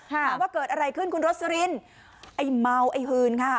ถามว่าเกิดอะไรขึ้นคุณโรสลินไอ้เมาไอ้หืนค่ะ